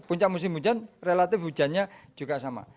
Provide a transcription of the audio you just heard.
puncak musim hujan relatif hujannya juga sama